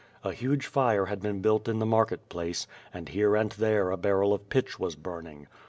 A huge fire had been built in the market place, and here and there a barrel of pitch was burning.